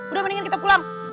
udah mendingan kita pulang